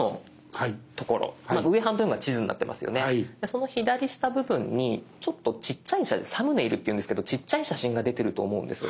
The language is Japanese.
その左下部分にちょっとちっちゃい写真サムネイルっていうんですけどちっちゃい写真が出てると思うんです。